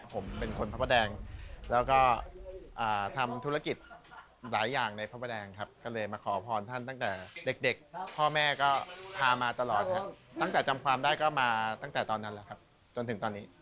ผมเป็นคนพระแดงแล้วก็ทำธุรกิจหลายอย่างในพระประแดงครับก็เลยมาขอพรท่านตั้งแต่เด็กพ่อแม่ก็พามาตลอดครับตั้งแต่จำความได้ก็มาตั้งแต่ตอนนั้นแล้วครับจนถึงตอนนี้